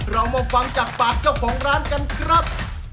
เรามาฟังจากปากเจ้าของร้านกันครับ